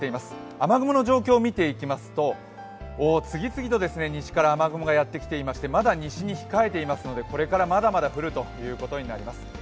雨雲の状況を見ていきますと、次々と西から雨雲がやってきていましてまだ西に控えていますのでこれからまだまだ降るということになります。